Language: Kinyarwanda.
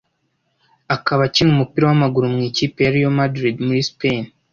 akaba akina umupira w’amaguru mu ikipe ya Real Madrid muri Spain